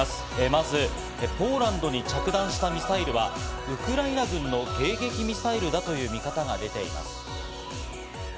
まず、ポーランドに着弾したミサイルは、ウクライナ軍の迎撃ミサイルだという見方が出ています。